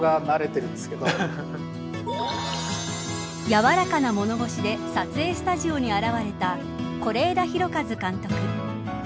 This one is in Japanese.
やわらかな物腰で撮影スタジオに現れた是枝裕和監督。